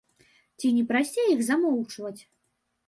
Ці не прасцей іх замоўчваць?